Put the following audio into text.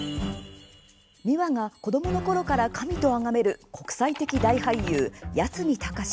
ミワが子どものころから神とあがめる国際的大俳優、八海崇。